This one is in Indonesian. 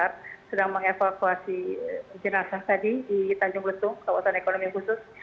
kami pun lari saat sedang mengevakuasi jenazah tadi di tanjung letung kawasan ekonomi khusus